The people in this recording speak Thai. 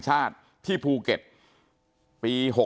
คุณยายบอกว่ารู้สึกเหมือนใครมายืนอยู่ข้างหลัง